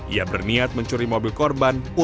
ia berniat mencuri mobil korban